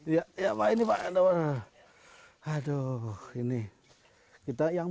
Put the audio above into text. ya ya pak ini pak aduh ini kita yang